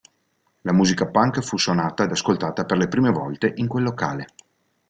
La musica punk fu suonata ed ascoltata per le prime volte in quel locale.